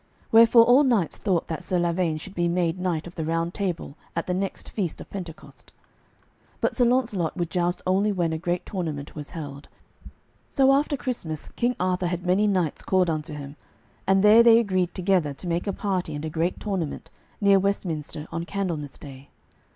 Wherefore all knights thought that Sir Lavaine should be made knight of the Round Table at the next feast of Pentecost. But Sir Launcelot would joust only when a great tournament was held. So after Christmas King Arthur had many knights called unto him, and there they agreed together to make a party and a great tournament near Westminster on Candlemas Day.